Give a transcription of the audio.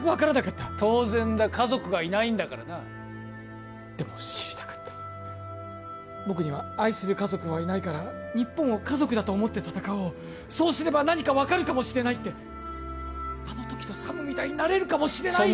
当然だ家族がいないんだからなでも知りたかった僕には愛する家族はいないから日本を家族だと思って戦おうそうすれば何か分かるかもしれないってあの時のサムみたいになれるかもしれないって